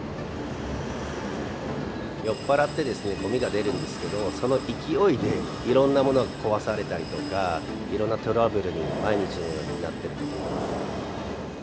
酔っ払ってごみが出るんですけど、その勢いでいろんなものが壊されたりとか、いろんなトラブルに毎日のようになっていると思います。